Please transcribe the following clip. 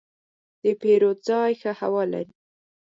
د پیرود ځای ښه هوا لري.